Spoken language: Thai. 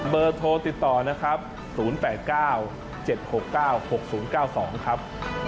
โทรติดต่อนะครับ๐๘๙๗๖๙๖๐๙๒ครับ